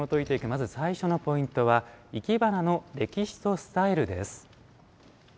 まず最初のポイントは「いけばなの歴史とスタイル」。